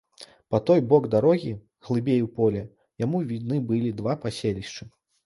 Па той бок дарогі, глыбей у поле, яму відны былі два паселішчы.